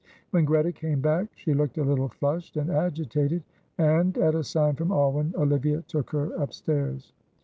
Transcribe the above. When Greta came back she looked a little flushed and agitated, and, at a sign from Alwyn, Olivia took her upstairs.